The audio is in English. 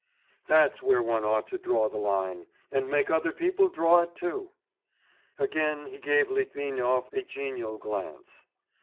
that's where one ought to draw the line, and make other people draw it too.' (Again he gave Litvinov a genial glance.)